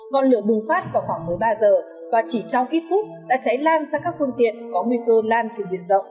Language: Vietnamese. ngọn lửa bùng phát vào khoảng một mươi ba giờ và chỉ trong ít phút đã cháy lan sang các phương tiện có nguy cơ lan trên diện rộng